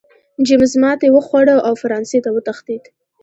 جېمز ماتې وخوړه او فرانسې ته وتښتېد.